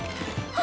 あ！